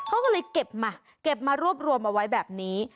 เขาก็เลยเก็บมาเก็บมารวบรวมเอาไว้แบบนี้